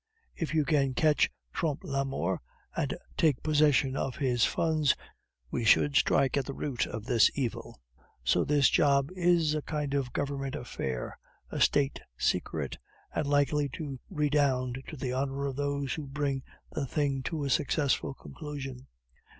If we can catch Trompe la Mort, and take possession of his funds, we should strike at the root of this evil. So this job is a kind of Government affair a State secret and likely to redound to the honor of those who bring the thing to a successful conclusion.